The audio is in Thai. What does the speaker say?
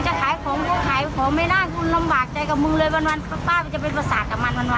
ก็ถูกต้องค่ะและวันไหนนะที่ไม่ได้เงินก็เรียกว่าหงุดหงิดโวยไว้สร้างความเดินร้อนให้กับร้านค้า